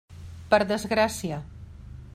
Per desgràcia.